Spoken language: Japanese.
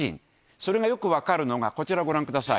それがよく分かるのが、こちら、ご覧ください。